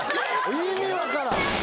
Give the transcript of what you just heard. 意味分からん。